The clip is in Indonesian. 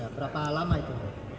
berapa lama itu